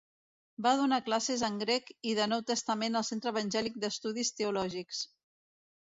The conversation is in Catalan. Va donar classes de grec i de Nou Testament al Centre Evangèlic d'Estudis Teològics.